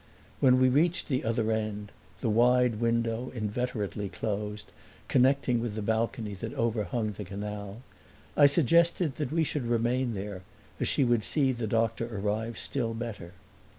When we reached the other end the wide window, inveterately closed, connecting with the balcony that overhung the canal I suggested that we should remain there, as she would see the doctor arrive still better.